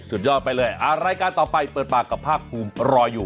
สุดยอดไปเลยรายการต่อไปเปิดปากกับภาคภูมิรออยู่